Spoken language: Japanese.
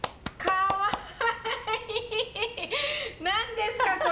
何ですか？